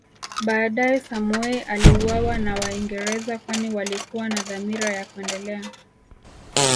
Baadae Samoei aliuawa na Waingereza kwani walikuwa na dhamira ya kuendelea